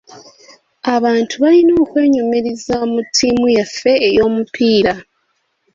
Abantu balina okwenyumiriza mu ttiimu yaffe ey'omupiira.